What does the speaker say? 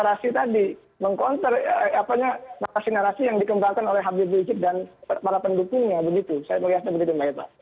saya perhatikan begitu mbak yeta